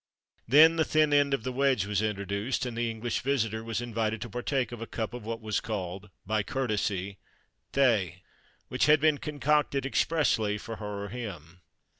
Then the thin end of the wedge was introduced, and the English visitor was invited to partake of a cup of what was called (by courtesy) thé, which had been concocted expressly for her or him.